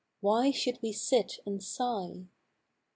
Why should we sit and sigh?